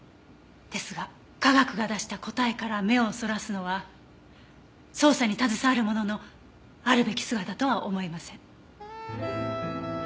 ですが科学が出した答えから目をそらすのは捜査に携わる者のあるべき姿とは思えません。